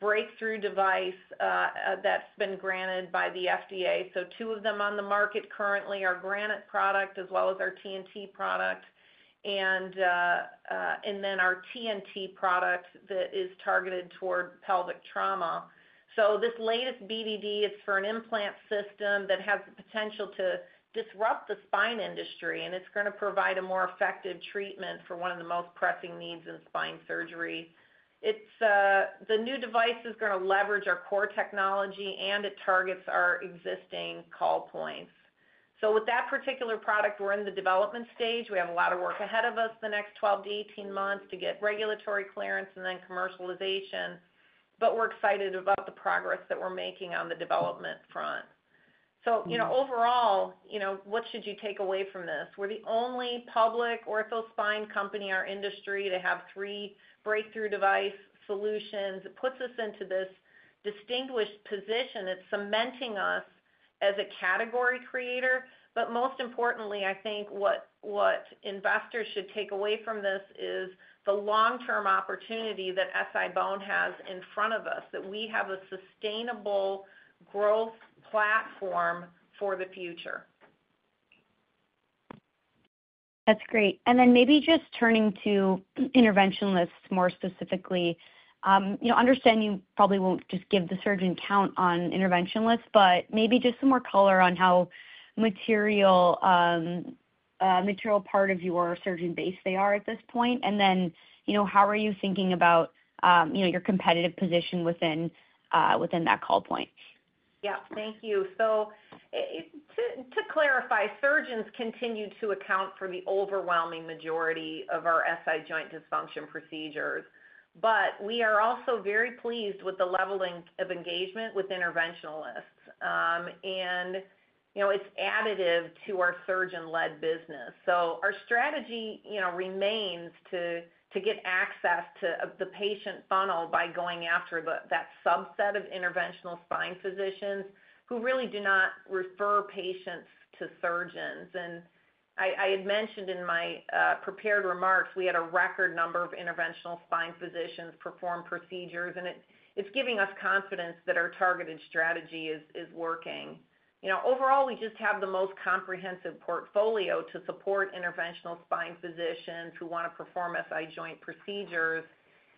Breakthrough Device Designation that's been granted by the FDA. Two of them on the market currently are our Granite product as well as our TORQ product, and then our TORQ product that is targeted toward pelvic trauma. This latest BDD is for an implant system that has the potential to disrupt the spine industry, and it's going to provide a more effective treatment for one of the most pressing needs in spine surgery. The new device is going to leverage our core technology, and it targets our existing call points. With that particular product, we're in the development stage. We have a lot of work ahead of us the next 12-18 months to get regulatory clearance and then commercialization. We're excited about the progress that we're making on the development front. Overall, what should you take away from this? We're the only public ortho spine company in our industry to have three breakthrough device solutions. It puts us into this distinguished position. It's cementing us as a category creator. Most importantly, I think what investors should take away from this is the long-term opportunity that SI-BONE has in front of us, that we have a sustainable growth platform for the future. That's great. Maybe just turning to interventionalists more specifically, understand you probably won't just give the surgeon count on interventionalists, but maybe just some more color on how material part of your surgeon base they are at this point. How are you thinking about your competitive position within that call point? Yeah. Thank you. To clarify, surgeons continue to account for the overwhelming majority of our SI joint dysfunction procedures. We are also very pleased with the level of engagement with interventionalists. It is additive to our surgeon-led business. Our strategy remains to get access to the patient funnel by going after that subset of interventional spine physicians who really do not refer patients to surgeons. I had mentioned in my prepared remarks, we had a record number of interventional spine physicians perform procedures. It is giving us confidence that our targeted strategy is working. Overall, we just have the most comprehensive portfolio to support interventional spine physicians who want to perform SI joint procedures.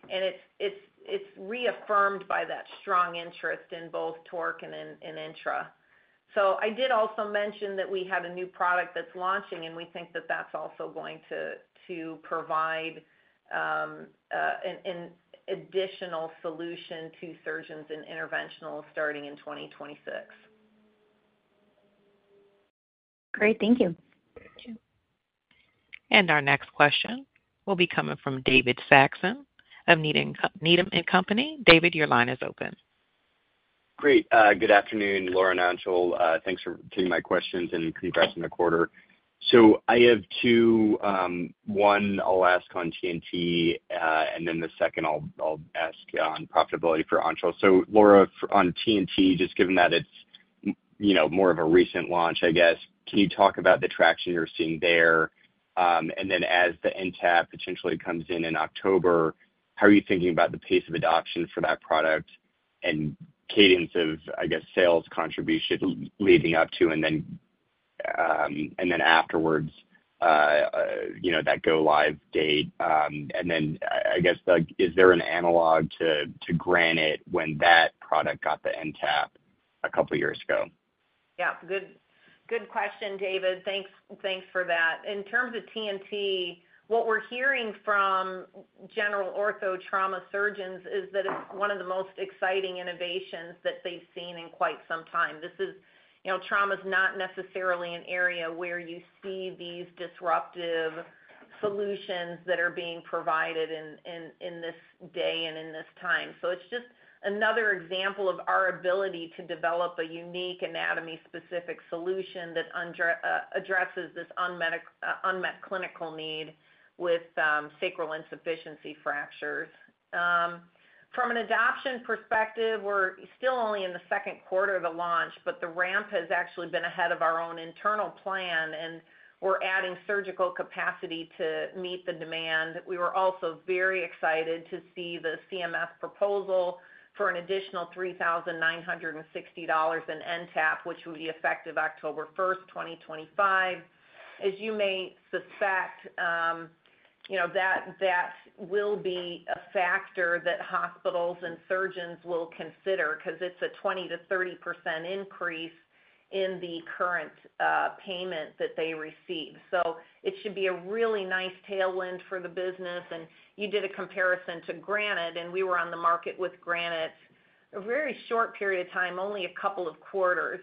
It is reaffirmed by that strong interest in both TORQ and INTRA. I did also mention that we have a new product that is launching, and we think that is also going to provide an additional solution to surgeons and interventionalists starting in 2026. Great. Thank you. Our next question will be coming from David Saxon of Needham & Company. David, your line is open. Great. Good afternoon, Laura and Anshul. Thanks for taking my questions and congrats on the quarter. I have two. One, I'll ask on TNT, and then the second, I'll ask on profitability for Anshul. Laura, on TNT, just given that it's more of a recent launch, I guess, can you talk about the traction you're seeing there? As the NTAP potentially comes in in October, how are you thinking about the pace of adoption for that product and cadence of, I guess, sales contribution leading up to and then afterwards that go-live date? I guess, is there an analog to Granite when that product got the NTAP a couple of years ago? Yeah. Good question, David. Thanks for that. In terms of TNT, what we're hearing from general ortho trauma surgeons is that it's one of the most exciting innovations that they've seen in quite some time. Trauma is not necessarily an area where you see these disruptive solutions that are being provided in this day and in this time. It is just another example of our ability to develop a unique anatomy-specific solution that addresses this unmet clinical need with sacral insufficiency fractures. From an adoption perspective, we're still only in the second quarter of the launch, but the ramp has actually been ahead of our own internal plan, and we're adding surgical capacity to meet the demand. We were also very excited to see the CMS proposal for an additional $3,960 in NTAP, which will be effective October 1, 2025. As you may suspect, that will be a factor that hospitals and surgeons will consider because it's a 20-30% increase in the current payment that they receive. It should be a really nice tailwind for the business. You did a comparison to Granite, and we were on the market with Granite a very short period of time, only a couple of quarters.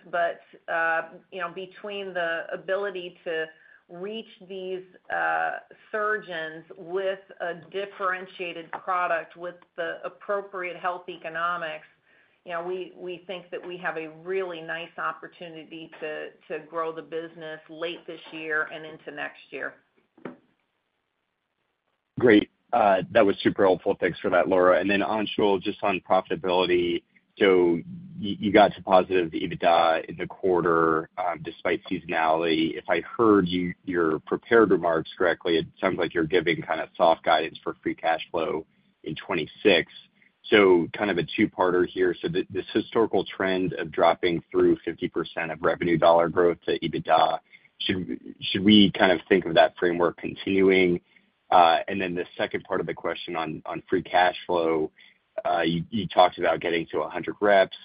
Between the ability to reach these surgeons with a differentiated product with the appropriate health economics, we think that we have a really nice opportunity to grow the business late this year and into next year. Great. That was super helpful. Thanks for that, Laura. Anshul, just on profitability. You got to positive EBITDA in the quarter despite seasonality. If I heard your prepared remarks correctly, it sounds like you're giving kind of soft guidance for free cash flow in 2026. Kind of a two-parter here. This historical trend of dropping through 50% of revenue dollar growth to EBITDA, should we kind of think of that framework continuing? The second part of the question on free cash flow, you talked about getting to 100 reps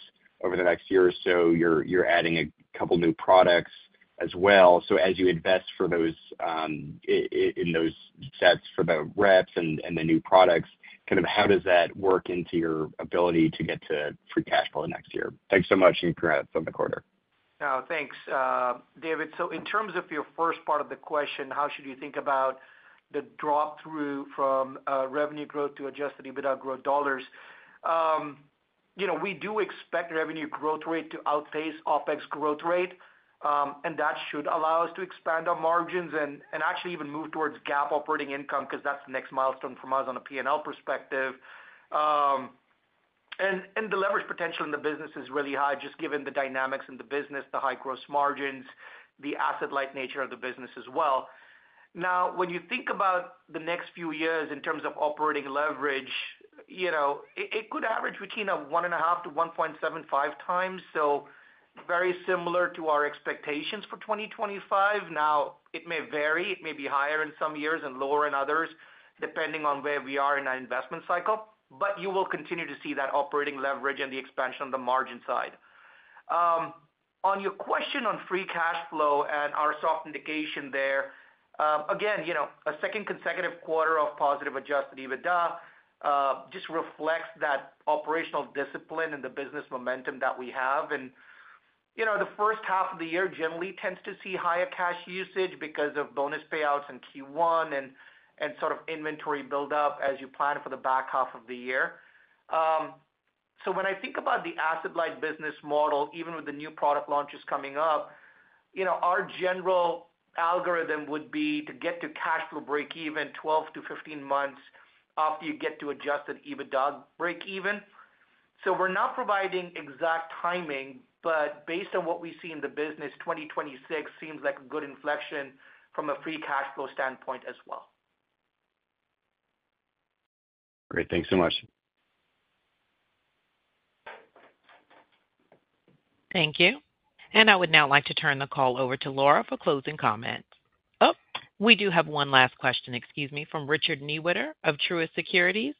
over the next year or so. You're adding a couple of new products as well. As you invest in those sets for the reps and the new products, kind of how does that work into your ability to get to free cash flow next year? Thanks so much and congrats on the quarter. Oh, thanks. David, so in terms of your first part of the question, how should you think about the drop through from revenue growth to Adjusted EBITDA growth dollars? We do expect revenue growth rate to outpace OpEx growth rate, and that should allow us to expand our margins and actually even move towards GAAP operating income because that's the next milestone from us on a P&L perspective. The leverage potential in the business is really high, just given the dynamics in the business, the high gross margins, the asset-light nature of the business as well. Now, when you think about the next few years in terms of operating leverage, it could average between a 1.5-1.75 times, so very similar to our expectations for 2025. It may vary. It may be higher in some years and lower in others, depending on where we are in our investment cycle. You will continue to see that operating leverage and the expansion on the margin side. On your question on free cash flow and our soft indication there, again, a second consecutive quarter of positive Adjusted EBITDA just reflects that operational discipline and the business momentum that we have. The first half of the year generally tends to see higher cash usage because of bonus payouts in Q1 and sort of inventory buildup as you plan for the back half of the year. When I think about the asset-light business model, even with the new product launches coming up, our general algorithm would be to get to cash flow break-even 12-15 months after you get to Adjusted EBITDA break-even. We're not providing exact timing, but based on what we see in the business, 2026 seems like a good inflection from a free cash flow standpoint as well. Great. Thanks so much. Thank you. I would now like to turn the call over to Laura for closing comments. Oh, we do have one last question, excuse me, from Richard Newitter of Truist Securities.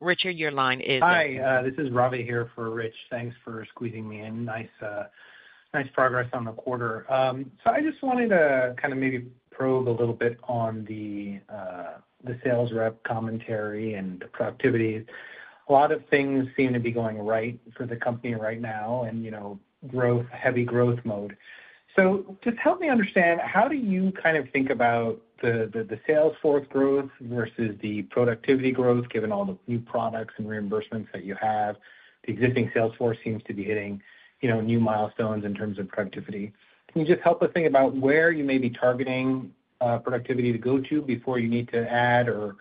Richard, your line is up. Hi. This is Robbie here for Rich. Thanks for squeezing me in. Nice progress on the quarter. I just wanted to kind of maybe probe a little bit on the sales rep commentary and the productivity. A lot of things seem to be going right for the company right now and heavy growth mode. Just help me understand, how do you kind of think about the sales force growth versus the productivity growth, given all the new products and reimbursements that you have? The existing sales force seems to be hitting new milestones in terms of productivity. Can you just help us think about where you may be targeting productivity to go to before you need to add or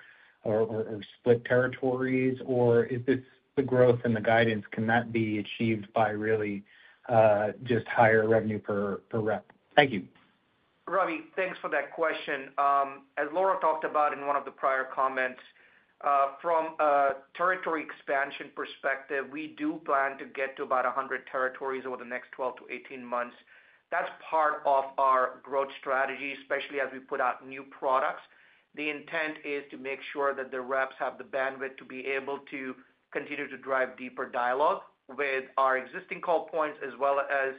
split territories? Or is this the growth and the guidance? Can that be achieved by really just higher revenue per rep? Thank you. Robbie, thanks for that question. As Laura talked about in one of the prior comments, from a territory expansion perspective, we do plan to get to about 100 territories over the next 12 to 18 months. That's part of our growth strategy, especially as we put out new products. The intent is to make sure that the reps have the bandwidth to be able to continue to drive deeper dialogue with our existing call points as well as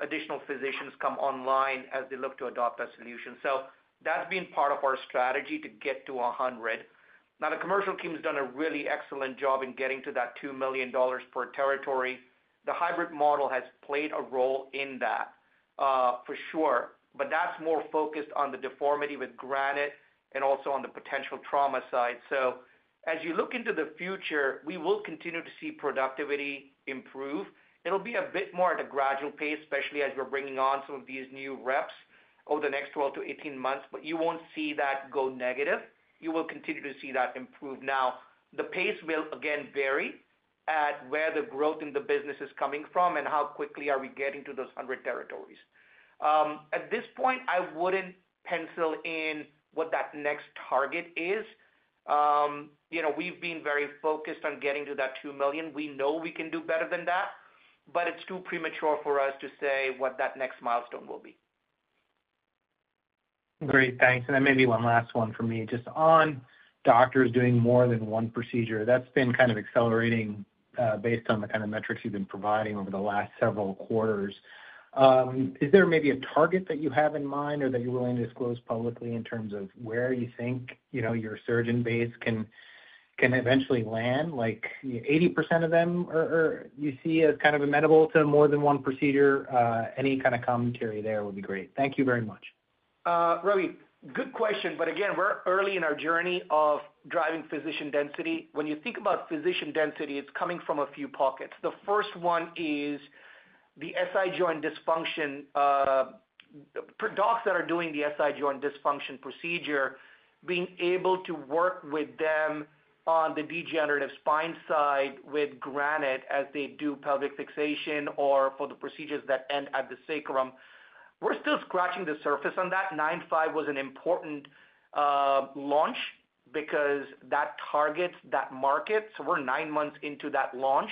additional physicians come online as they look to adopt our solution. That has been part of our strategy to get to 100. Now, the commercial team has done a really excellent job in getting to that $2 million per territory. The hybrid model has played a role in that, for sure. That is more focused on the deformity with Granite and also on the potential trauma side. As you look into the future, we will continue to see productivity improve. It will be a bit more at a gradual pace, especially as we are bringing on some of these new reps over the next 12 to 18 months, but you will not see that go negative. You will continue to see that improve. Now, the pace will, again, vary at where the growth in the business is coming from and how quickly are we getting to those 100 territories. At this point, I would not pencil in what that next target is. We have been very focused on getting to that $2 million. We know we can do better than that, but it is too premature for us to say what that next milestone will be. Great. Thanks. Maybe one last one for me. Just on doctors doing more than one procedure, that has been kind of accelerating based on the kind of metrics you have been providing over the last several quarters. Is there maybe a target that you have in mind or that you are willing to disclose publicly in terms of where you think your surgeon base can eventually land? Like 80% of them you see as kind of amenable to more than one procedure? Any kind of commentary there would be great. Thank you very much. Robbie, good question. Again, we're early in our journey of driving physician density. When you think about physician density, it's coming from a few pockets. The first one is the SI joint dysfunction. Docs that are doing the SI joint dysfunction procedure, being able to work with them on the degenerative spine side with Granite as they do pelvic fixation or for the procedures that end at the sacrum, we're still scratching the surface on that. 9.5 was an important launch because that targets that market. We're nine months into that launch.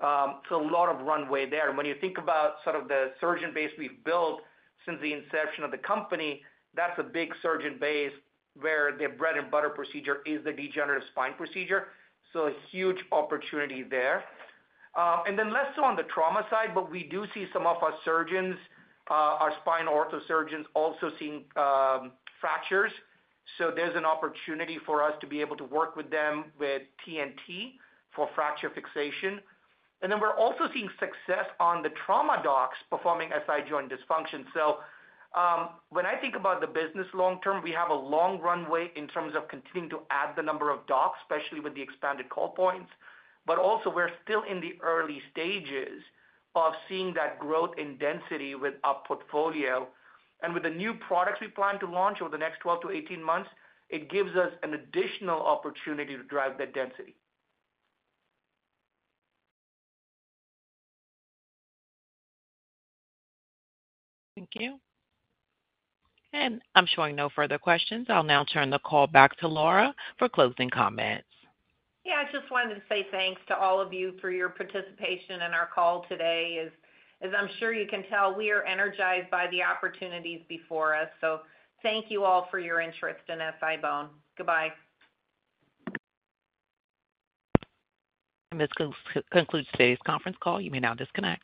A lot of runway there. When you think about sort of the surgeon base we've built since the inception of the company, that's a big surgeon base where their bread-and-butter procedure is the degenerative spine procedure. A huge opportunity there. Less so on the trauma side, but we do see some of our surgeons, our spine ortho surgeons, also seeing fractures. There's an opportunity for us to be able to work with them with TORQ TNT for fracture fixation. We're also seeing success on the trauma docs performing SI joint dysfunction. When I think about the business long term, we have a long runway in terms of continuing to add the number of docs, especially with the expanded call points. We're still in the early stages of seeing that growth in density with our portfolio. With the new products we plan to launch over the next 12 to 18 months, it gives us an additional opportunity to drive that density. Thank you. I'm showing no further questions. I'll now turn the call back to Laura for closing comments. I just wanted to say thanks to all of you for your participation in our call today. As I'm sure you can tell, we are energized by the opportunities before us. Thank you all for your interest in SI-BONE. Goodbye. This concludes today's conference call. You may now disconnect.